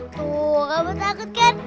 tuh kamu takut kan